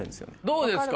どうですか？